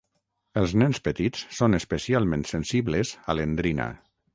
Els nens petits són especialment sensibles a l'endrina.